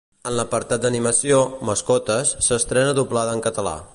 En l'apartat d'animació, “Mascotes” s'estrena doblada en català.